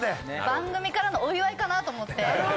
番組からのお祝いかなと思って。